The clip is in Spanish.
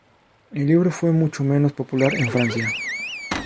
El libro fue mucho menos popular en Francia.